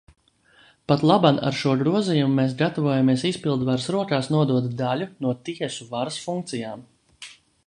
Patlaban ar šo grozījumu mēs gatavojamies izpildvaras rokās nodot daļu no tiesu varas funkcijām.